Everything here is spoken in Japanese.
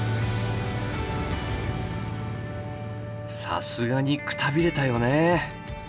さすがにくたびれたよね。